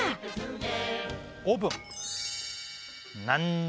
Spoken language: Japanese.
何？